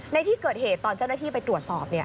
ในที่เกิดเหตุตอนเจ้าหน้าที่ไปตรวจสอบ